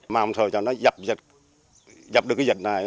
mà ông thời cho nó dập dịch dập được cái dịch này